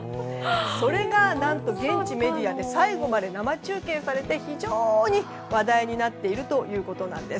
それが何と現地メディアで最後まで生中継されて非常に話題になっているということなんです。